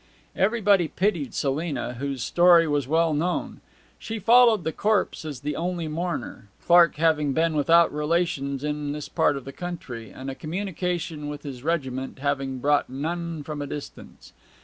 Everybody pitied Selina, whose story was well known. She followed the corpse as the only mourner, Clark having been without relations in this part of the country, and a communication with his regiment having brought none from a distance.